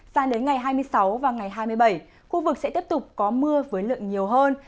sang đến ngày hai mươi sáu và ngày hai mươi bảy khu vực sẽ tiếp tục có mưa với lượng nhiều hơn